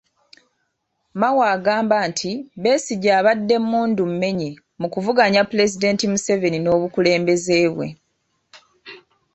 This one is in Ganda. Mao agamba nti Besigye abadde mmundu mmenye mu kuvuganya Pulezidenti Museveni n’obukulembeze bwe.